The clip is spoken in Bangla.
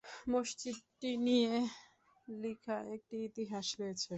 মসজিদটি নিয়ে লিখা একটি ইতিহাস রয়েছে।